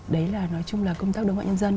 đấy là nói chung là công tác đối ngoại nhân dân